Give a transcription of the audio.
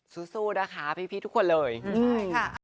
สู้สู้นะคะพี่พี่ทุกคนเลยอืม